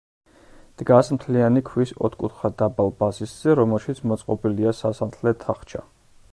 დგას მთლიანი ქვის ოთხკუთხა დაბალ ბაზისზე, რომელშიც მოწყობილია სასანთლე თახჩა.